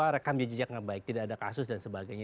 rekam jejak yang baik tidak ada kasus dan sebagainya